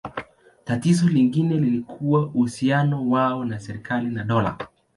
Tatizo lingine lilikuwa uhusiano wao na serikali na dola.